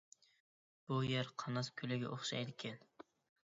بۇ يەر قاناس كۆلىگە ئوخشايدىكەن.